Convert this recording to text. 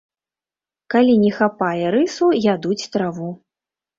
Калі не хапае рысу, ядуць траву.